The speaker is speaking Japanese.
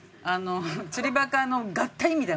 『釣りバカ』の「合体」みたいな事でしょ？